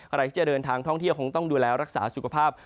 ใครที่จะเดินทางท่องเที่ยวคงต้องดูแลรักษาสุขภาพ